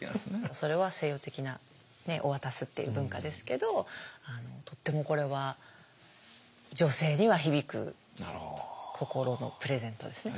それは西洋的な渡すっていう文化ですけどとってもこれは女性には響く心のプレゼントですね。